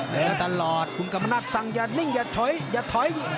เหลือตลอดคุณกำหนักสั่งอย่านิ่งอย่าถอย